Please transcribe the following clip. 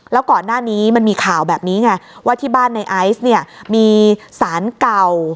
แล้วก่อนหน้านี้มันมีข่าวแบบนี้ไงว่าที่บ้านในไอซ์เนี่ยมีสารเก่า